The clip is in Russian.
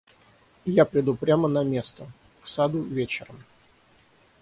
Я приду прямо на место, к саду, вечером».